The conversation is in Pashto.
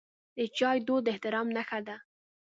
د چای دود د احترام نښه ده.